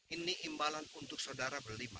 ini imbalan untuk saudara beli